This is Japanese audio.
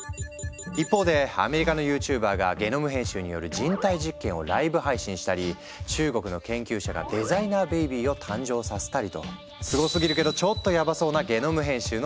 一方でアメリカのＹｏｕＴｕｂｅｒがゲノム編集による人体実験をライブ配信したり中国の研究者がデザイナーベビーを誕生させたりとすごすぎるけどちょっとヤバそうなゲノム編集の世界。